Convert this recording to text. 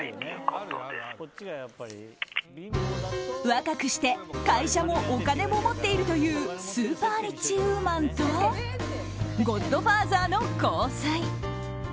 若くして会社もお金も持っているというスーパーリッチウーマンとゴッドファーザーの交際。